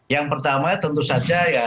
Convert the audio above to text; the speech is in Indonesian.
yang pertama tentu saja ya